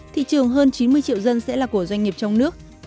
thị trường hơn chín mươi triệu dân sẽ là của doanh nghiệp trong nước